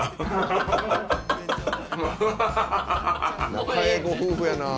仲ええご夫婦やなぁ。